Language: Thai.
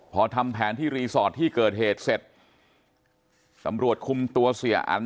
พอทำแผนที่รีสอร์ทที่เกิดเหตุเสร็จตำรวจคุมตัวเสียอัน